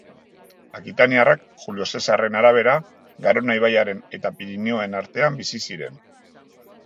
Akitaniarrak, Julio Zesarren arabera, Garona ibaiaren eta Pirinioen artean bizi ziren.